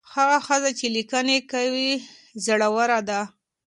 هغه ښځه چې لیکنې کوي زړوره ده.